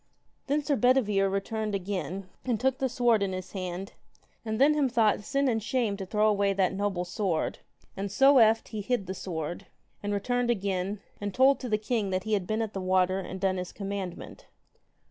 Then Sir Bedivere returned again, and took the sword in his hand; and then him thought sin and shame to throw away that noble sword; and so eft he hid the sword, and returned again, and told to the king that he had been at the water, and done his commandment.